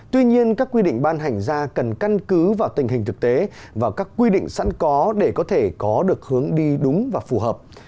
tuy nhiên các quy định ban hành ra cần căn cứ vào tình hình thực tế và các quy định sẵn có để có thể có được hướng đi đúng và phù hợp